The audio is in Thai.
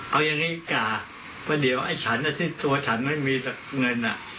เอายังไงกะเพราะเดี๋ยวไอ้ฉันนะที่ตัวฉันไม่มีเงินอ่ะ